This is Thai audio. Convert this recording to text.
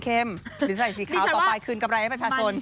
หรือใส่สีขาวต่อไปคืนกำไรให้ประชาชน